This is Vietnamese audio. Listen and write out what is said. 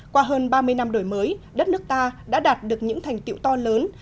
qua hơn ba mươi năm đổi mới đất nước ta đã đạt được những thành tiệu to lớn